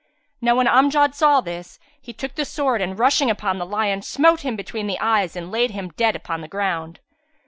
Now when Amjad saw this, he took the sword and, rushing upon the lion, smote him between the eyes and laid him dead on the ground.